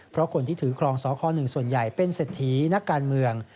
เพราะคนที่ถือครองสค๑ส่วนใหญ่เป็นเศรษฐีนักการเมือง